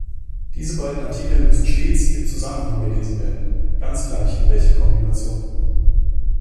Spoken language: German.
Diese beiden Artikel müssen stets im Zusammenhang gelesen werden, ganz gleich in welcher Kombination.